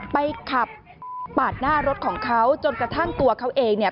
ไปขับปาดหน้ารถของเขาจนกระทั่งตัวเขาเองเนี่ย